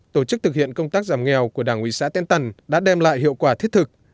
tổ chức thực hiện công tác giảm nghèo của đảng ủy xã tân tần đã đem lại hiệu quả thiết thực